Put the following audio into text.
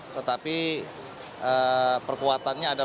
tetapi perkuatannya adalah